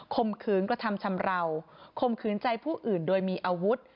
มขืนกระทำชำราวข่มขืนใจผู้อื่นโดยมีอาวุธ